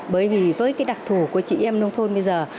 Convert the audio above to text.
bởi vì với đặc thủ của chị em nông thôn bây giờ